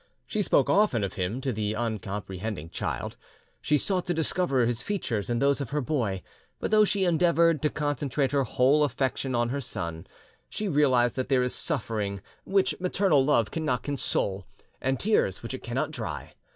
She spoke often of him to the uncomprehending child, she sought to discover his features in those of her boy, but though she endeavoured to concentrate her whole affection on her son, she realised that there is suffering which maternal love cannot console, and tears which it cannot dry.